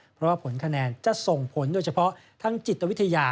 เพราะว่าผลคะแนนจะส่งผลโดยเฉพาะทั้งจิตวิทยา